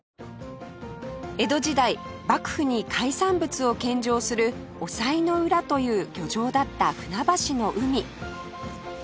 江戸時代幕府に海産物を献上する御菜浦という漁場だった船橋の海